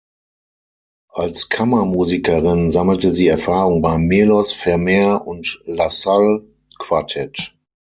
Als Kammermusikerin sammelte sie Erfahrung beim Melos-, Vermeer- und La Salle Quartett.